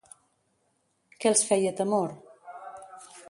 Què els feia temor?